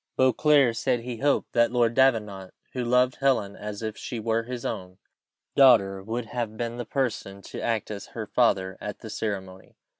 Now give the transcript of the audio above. Beauclerc said he had hoped that Lord Davenant, who loved Helen as if she were his own daughter, would have been the person to act as her father at the ceremony.